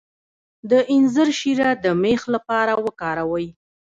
د انځر شیره د میخ لپاره وکاروئ